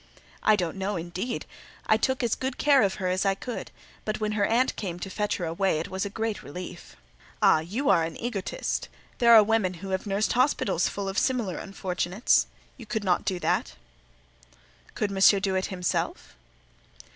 ] "I don't know, indeed: I took as good care of her as I could; but when her aunt came to fetch her away, it was a great relief." "Ah! you are an egotist. There are women who have nursed hospitals full of similar unfortunates. You could not do that?" "Could Monsieur do it himself?"